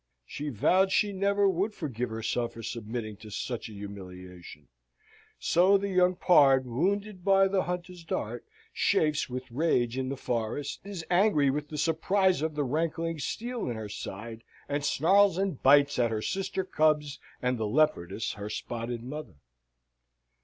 She vowed she never would forgive herself for submitting to such a humiliation. So the young pard, wounded by the hunter's dart, chafes with rage in the forest, is angry with the surprise of the rankling steel in her side, and snarls and bites at her sister cubs, and the leopardess, her spotted mother.